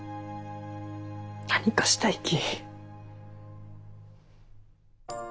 何かしたいき。